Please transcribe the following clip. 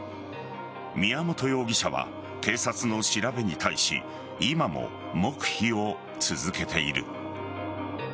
宮本容疑者は警察の調べに対し今も黙秘を続けている。